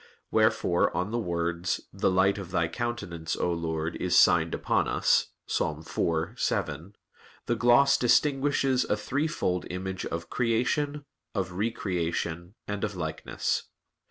Wherefore on the words, "The light of Thy countenance, O Lord, is signed upon us" (Ps. 4:7), the gloss distinguishes a threefold image of "creation," of "re creation," and of "likeness."